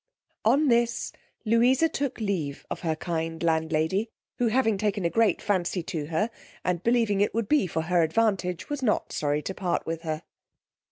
On this Louisa took leave of her kind landlady, who having taken a great fancy to her, and believing it would be for her advantage, was not sorry to part with her.